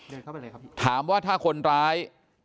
เข้าไปเลยครับถามว่าถ้าคนร้าย